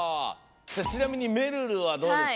ちなみにめるるはどうですか？